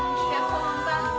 こんばんは。